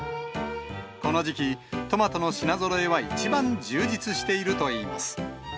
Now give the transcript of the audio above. この時期、トマトの品ぞろえは一番充実しているといいます。